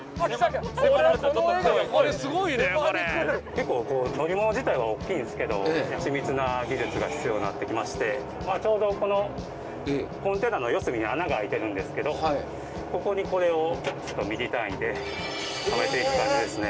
結構乗り物自体は大きいですけど緻密な技術が必要になってきましてちょうどこのコンテナの四隅に穴があいてるんですけどここにこれをミリ単位ではめていく感じですね。